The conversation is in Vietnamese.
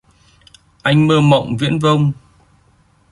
Anh mơ mộng viễn vông